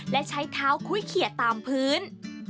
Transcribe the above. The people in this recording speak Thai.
และใช้เท้าคุ้ยเขียดตามพื้น